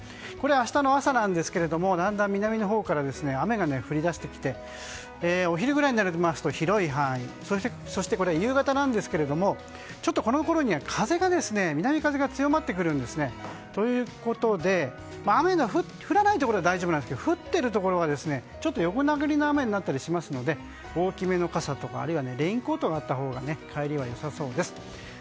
明日の朝ですけどだんだん南のほうから雨が降り出してきてお昼くらいになりますと広い範囲、そして夕方ですがちょっとこのころには南風が強まってくるんですね。ということで雨の降らないところは大丈夫なんですけど降っているところは横殴りの雨になったりしますので大きめの傘とかあるいはレインコートがあったほうが帰りは良さそうです。